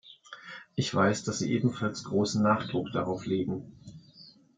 Ich weiß, dass Sie ebenfalls großen Nachdruck darauf legen.